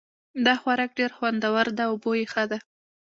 دا خوراک ډېر خوندور ده او بوی یې ښه ده